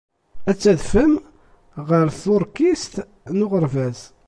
Ad tadfem ɣer tuṛkist n uɣerbaz.